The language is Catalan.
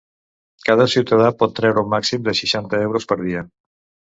Cada ciutadà pot treure un màxim de seixanta euros per dia.